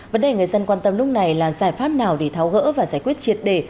vấn đề người dân quan tâm lúc này là giải pháp nào để tháo gỡ và giải quyết triệt đề